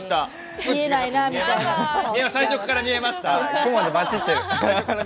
最初から見えました！